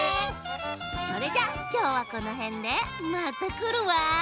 それじゃきょうはこのへんでまたくるわ！